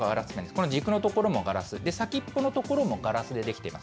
この軸の所もガラス、先っぽのところもガラスで出来ています。